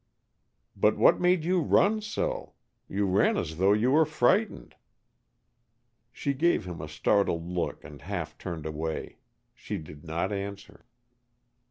"But what made you run so? You ran as though you were frightened." She gave him a startled look and half turned away. She did not answer.